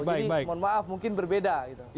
jadi mohon maaf mungkin berbeda gitu